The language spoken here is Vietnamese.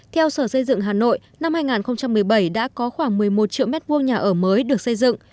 theo sở xây dựng hà nội năm hai nghìn một mươi bảy đã có khoảng một mươi một triệu m hai nhà ở mới được xây dựng